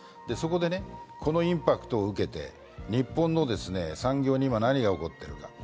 そこでこのインパクトを受けて日本の産業に今何が起こっているか。